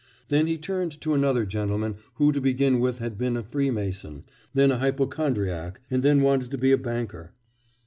Then he turned to another gentleman who to begin with had been a freemason, then a hypochondriac, and then wanted to be a banker.